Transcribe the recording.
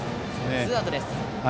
ツーアウトです。